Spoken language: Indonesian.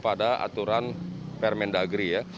ada aturan permendagri ya